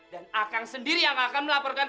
dan akang sendiri yang akan melaporkan